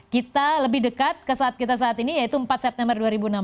kita lebih dekat ke saat kita saat ini yaitu empat september dua ribu enam belas